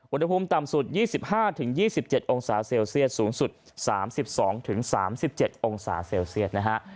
อุณหภูมิต่ำสุด๒๕๒๗องศาเซลเซียสสูงสุด๓๒๓๗องศาเซลเซียตนะฮะ